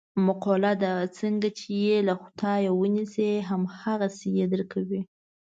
مقوله ده: څنګه یې چې له خدایه و نیسې هم هغسې یې در کوي.